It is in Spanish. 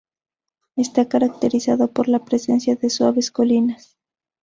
Esta caracterizado por la presencia de suaves colinas.